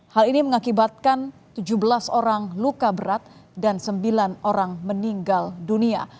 hal ini mengakibatkan tujuh belas orang luka berat dan sembilan orang meninggal dunia